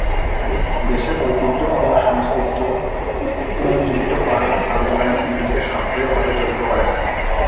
দেশের ঐতিহ্য ও সংস্কৃতিকে পুনরুজীবিত করার আন্দোলনে তিনি নিজেকে সংক্রিয়ভাবে জড়িত করেন।